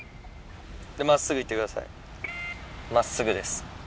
真っすぐ行ってください真っすぐです。